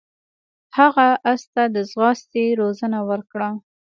هغه اس ته د ځغاستې روزنه ورکړه.